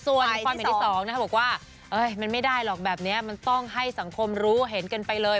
ส่วนความที่๒บอกว่ามันไม่ได้หรอกแบบนี้มันต้องให้สังคมรู้เห็นกันไปเลย